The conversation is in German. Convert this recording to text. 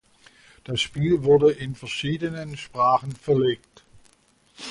Das Spiel wurde in verschiedenen Sprachen verlegt.